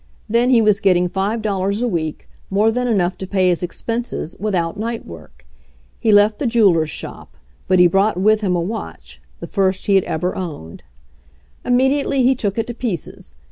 Then he was get ting five dollars a week, more than enough to pay his expenses, without night work. He left the jeweler's shop, but he brought with him a watch, the first he had ever owned. Immediately he took it to pieces.